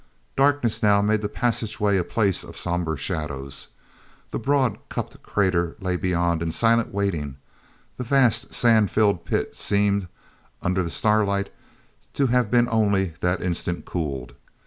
Darkness now made the passageway a place of somber shadows. The broad cupped crater lay beyond in silent waiting; the vast sand filled pit seemed, under the starlight, to have been only that instant cooled.